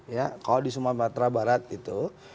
ya kalau di sumatera barat itu